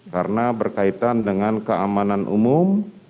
karena berkaitan dengan keamanan umum